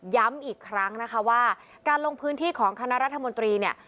ย้ำอีกครั้งนะคะว่าการลงพื้นที่ของคณะรัฐมนตรีเนี่ย